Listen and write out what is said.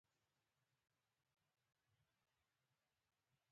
ایا یوه اونۍ وروسته راتلی شئ؟